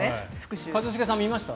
一茂さん、見ました？